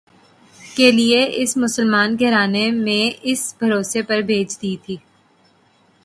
کے لئے ایک مسلمان گھرانے میں اِس بھروسے پر بھیج دی تھی